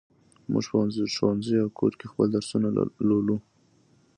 موږ په ښوونځي او کور کې خپل درسونه لولو.